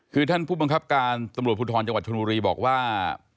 คือท่านผู้บังคับการตำรวจภูทรจังหวัดชนบุรีบอกว่า